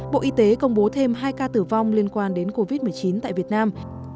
bộ y tế công bố thêm hai ca tử vong liên quan đến covid một mươi chín tại việt nam